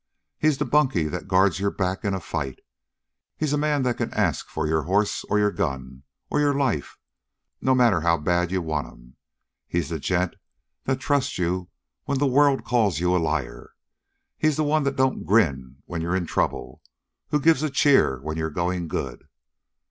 He's the bunkie that guards your back in a fight; he's the man that can ask for your hoss or your gun or your life, no matter how bad you want 'em; he's the gent that trusts you when the world calls you a liar; he's the one that don't grin when you're in trouble, who gives a cheer when you're going good.